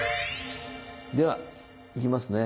ではいきますね。